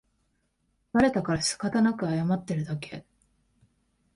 バレたからしかたなく謝ってるだけ